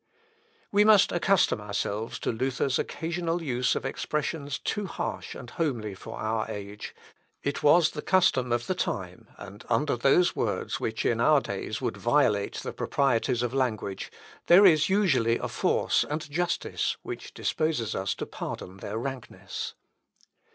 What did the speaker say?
We must accustom ourselves to Luther's occasional use of expressions too harsh and homely for our age, it was the custom of the time; and under those words which in our days would violate the proprieties of language, there is usually a force and justice which disposes us to pardon their rankness.